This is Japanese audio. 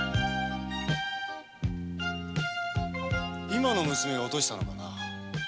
・今の娘が落としたのかな？